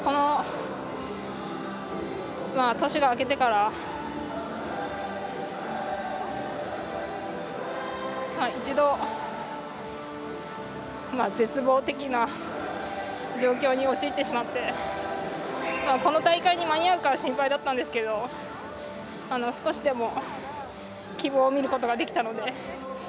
本当に、年が明けてから一度、絶望的な状況に陥ってしまってこの大会に間に合うか心配だったんですけど少しでも希望を見ることができたので。